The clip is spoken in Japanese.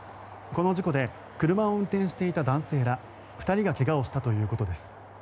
この事故で車を運転していた男性ら２人が怪我をしたということです。